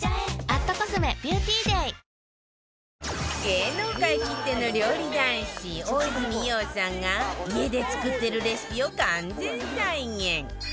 芸能界きっての料理男子大泉洋さんが家で作ってるレシピを完全再現